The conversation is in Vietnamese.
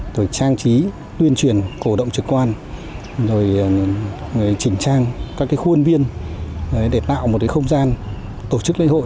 rồi trang trí tuyên truyền cổ động trực quan rồi chỉnh trang các khuôn viên để tạo một không gian tổ chức lễ hội